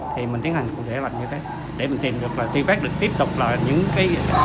thì mình tiến hành cụ thể là như thế để mình tìm được là truy vết được tiếp tục là những f một như thế nào